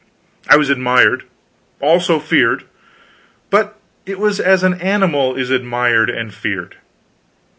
I was admired, also feared; but it was as an animal is admired and feared.